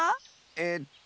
えっと。